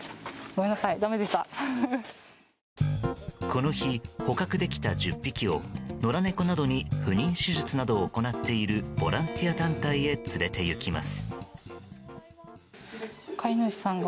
この日捕獲できた１０匹を野良猫などに不妊手術などを行っているボランティア団体へ連れていきます。